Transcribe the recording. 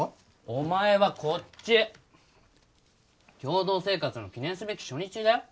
お前はこっち共同生活の記念すべき初日だよ？